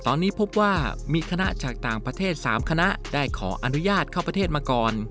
ตอนนี้พบว่ามีคณะจากต่างประเทศ๓คณะได้ขออนุญาตเข้าประเทศมาก่อน